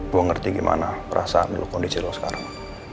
gua ngerti gimana perasaan lo kondisi lo sekarang